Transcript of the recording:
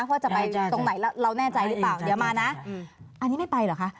ว่าจะไปตรงไหนแล้วเราแน่ใจหรือเปล่าเดี๋ยวมานะอันนี้ไม่ไปเหรอคะ